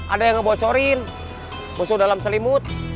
ada yang ngebocorin musuh dalam selimut